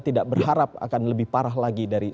tidak berharap akan lebih parah lagi dari